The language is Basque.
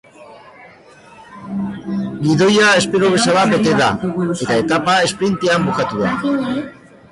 Gidoia espero bezala bete da, eta etapa esprintean bukatu da.